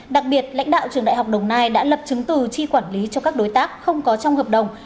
đặc biệt lãnh đạo trường đại học đồng nai đã lập chứng từ chi quản lý cho các đối tác không có trong hợp đồng